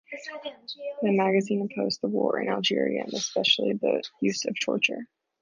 The magazine opposed the war in Algeria, and especially the use of torture.